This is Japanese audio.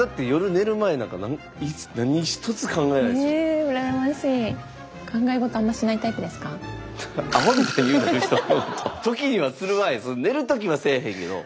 寝る時はせぇへんけど。